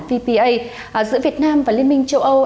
vpa giữa việt nam và liên minh châu âu